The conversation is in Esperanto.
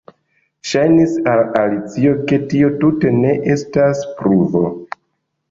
Ŝajnis al Alicio ke tio tute ne estas pruvo.